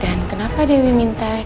dan kenapa dewi minta